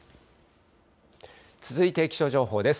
続いて気象情報です。